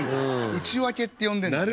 内訳って呼んでんだね。